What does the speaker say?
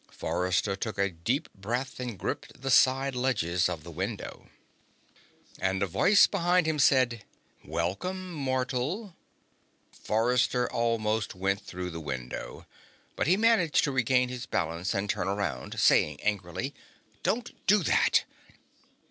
Forrester took a deep breath and gripped the side ledges of the window. And a voice behind him said: "Welcome, Mortal." Forrester almost went through the window. But he managed to regain his balance and turn around, saying angrily: "Don't do that!"